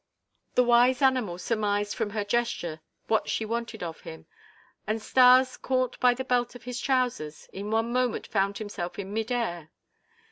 The wise animal surmised from her gesture what she wanted of him, and Stas, caught by the belt of his trousers, in one moment found himself in mid air.